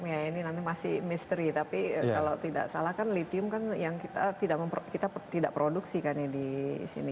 ya ini nanti masih misteri tapi kalau tidak salah kan litium kan yang kita tidak produksi kan ya di sini